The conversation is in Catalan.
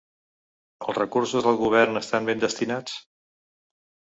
Els recursos del govern estan ben destinats?.